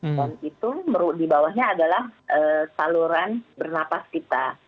pon itu di bawahnya adalah saluran bernapas kita